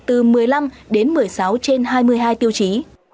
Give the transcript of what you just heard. từ một mươi năm đến một mươi sáu trên hai mươi hai tiêu chí